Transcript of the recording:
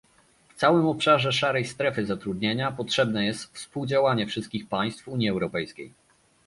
W całym obszarze szarej strefy zatrudnienia potrzebne jest współdziałanie wszystkich państw Unii Europejskiej